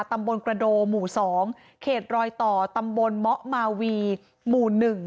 ตำบลกระโดหมู่๒เขตรอยต่อตำบลเมาะมาวีหมู่๑